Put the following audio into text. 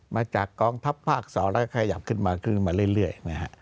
มาจากกองทัพภาค๒แล้วก็ขยับขึ้นมาขึ้นมาเรื่อยนะฮะ